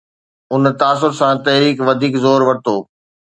ان تاثر سان، تحريڪ وڌيڪ زور ورتو.